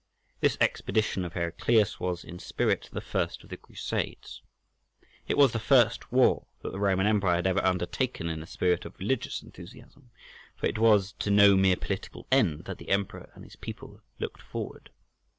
This expedition of Heraclius was in spirit the first of the Crusades. It was the first war that the Roman Empire had ever undertaken in a spirit of religious enthusiasm, for it was to no mere political end that the Emperor and his people looked forward.